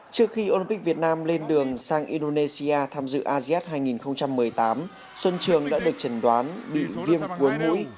trước khi olympic việt nam lên đường sang indonesia tham dự asean hai nghìn một mươi tám xuân trường đã được chẩn đoán bị viêm cuối mũi